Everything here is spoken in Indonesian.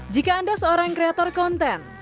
jika anda seorang kreator konten